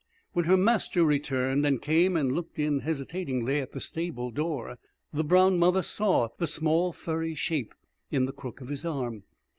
When her master returned, and came and looked in hesitatingly at the stable door, the brown mother saw the small furry shape in the crook of his arm.